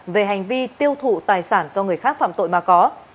về hành vi tiêu thụ tài sản do người khác phạm tội mà có